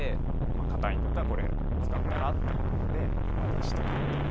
硬いんだったらこれ使ったら？っていう事で渡してくれて。